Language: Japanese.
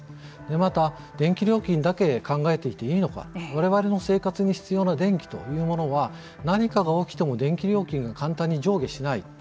また電気料金だけ考えていていいのか我々の生活に必要な電気というものは何かが起きても電気料金が簡単に上下しない。